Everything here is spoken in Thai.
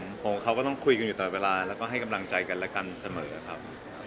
ผมกับเขาก็ต้องคุยกันอยู่ตลอดเวลาแล้วก็ให้กำลังใจกันและกันเสมอครับ